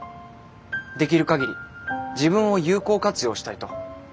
できる限り自分を有効活用したいと。